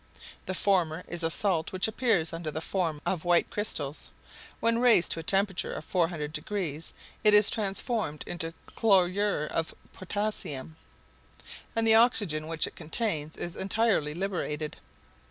The former is a salt which appears under the form of white crystals; when raised to a temperature of 400 degrees it is transformed into chlorure of potassium, and the oxygen which it contains is entirely liberated.